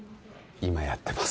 今やってます